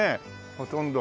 ほとんど。